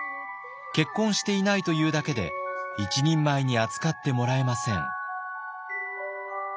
結婚していないというだけで一人前に扱ってもらえません。